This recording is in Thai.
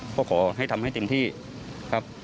ก็ขอให้ทำให้เต็มที่ครับ